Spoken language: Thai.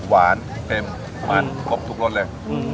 เปรี้ยวลมึง